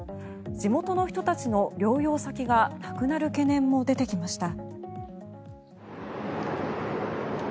地元の人たちの療養先がなくなる懸念も出てきました。